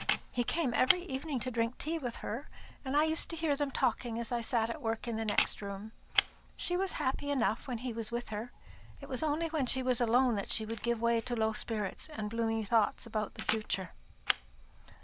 He came every evening to drink tea with her, and I used to hear them talking as I sat at work in the next room. She was happy enough when he was with her. It was only when she was alone that she would give way to low spirits and gloomy thoughts about the future."